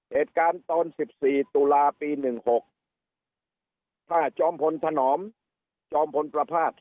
เหตุการณ์ตอน๑๔ตุลาปี๑๖ถ้าจอมพลถนอมจอมพลประพาท